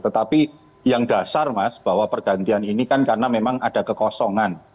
tetapi yang dasar mas bahwa pergantian ini kan karena memang ada kekosongan